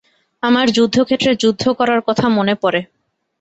আমার যুদ্ধক্ষেত্রের যুদ্ধ করার কথা মনে পড়ে।